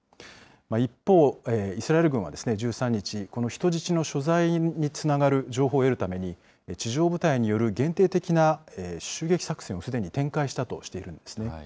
一方、イスラエル軍は１３日、この人質の所在につながる情報を得るために、地上部隊による限定的な襲撃作戦をすでに展開したとしているんですね。